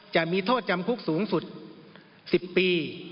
จะมีโทษจำคุกสูงสุด๑๐ปี